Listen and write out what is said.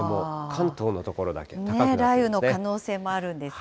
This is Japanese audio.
雷雨の可能性もあるんですね。